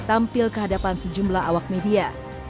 tampil kehadapan sejumlah awak media